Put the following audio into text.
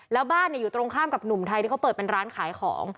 แล้วบ้านอยู่ตรงข้ามกับหนุ่มไทยที่เขาเปิดเป็นร้านขายของ